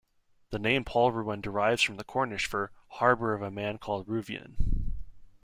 The name Polruan derives from the Cornish for "harbour of a man called Ruveun".